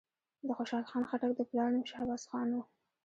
د خوشحال خان خټک د پلار نوم شهباز خان وو.